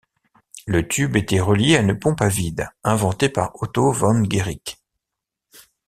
Le tube était relié à une pompe à vide inventée par Otto von Guericke.